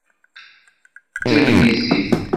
D tagnizit.